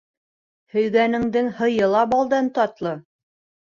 Һөйгәнеңдең һыйы ла балдан татлы.